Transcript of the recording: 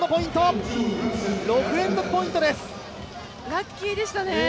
ラッキーでしたね。